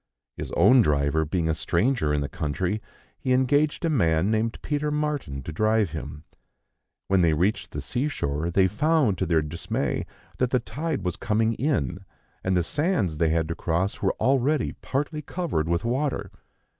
His own driver being a stranger in the country, he engaged a man named Peter Martin to drive him. When they reached the sea shore they found, to their dismay, that the tide was coming in, and the sands they had to cross were already partly covered with water.